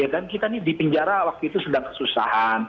dan kita di penjara waktu itu sedang kesusahan